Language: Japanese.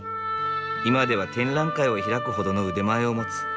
今では展覧会を開くほどの腕前を持つ。